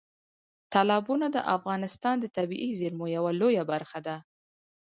تالابونه د افغانستان د طبیعي زیرمو یوه لویه برخه ده.